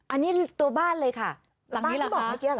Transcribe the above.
อันนี้ตัวบ้านเลยค่ะหลังบ้านที่บอกเมื่อกี้เหรอ